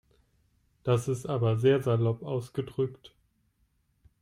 Das ist aber sehr salopp ausgedrückt.